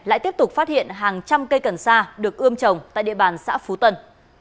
lại tiếp tục phát hiện hàng trăm cây cần sa được ươm trồng tại địa bàn xã phú tân